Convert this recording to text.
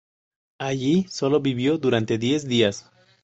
Allí solo vivió durante diez días.